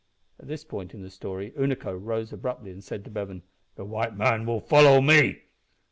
At this point in the story Unaco rose abruptly, and said to Bevan "The white man will follow me."